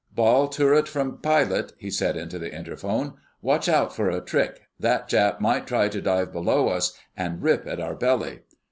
"Ball turret from pilot," he said into the interphone. "Watch out for a trick. That Jap might try to dive below us and rip at our belly....